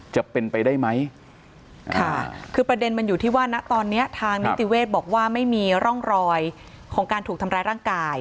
จะเป็นไปได้ไหมค่ะคือประเด็นมันอยู่ที่ว่านะตอนเนี้ยทางนิติเวศบอกว่าไม่มีร่องรอยของการถูกทำร้ายร่างกาย